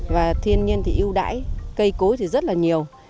và thiên nhiên thì yêu đáy cây cối thì rất là nhiều